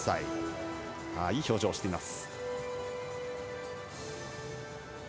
いい表情をしています。